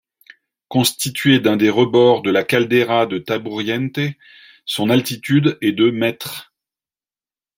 Constitué d'un des rebords de la caldeira de Taburiente, son altitude est de mètres.